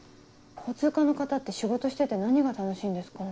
交通課の方って仕事してて何が楽しいんですかね。